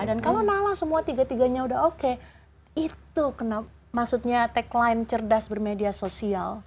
dan kalau nala semua tiga tiganya udah oke itu maksudnya tagline cerdas bermedia sosial